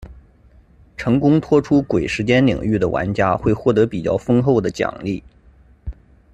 成功脱出鬼时间领域的玩家会获得比较丰厚的奖励。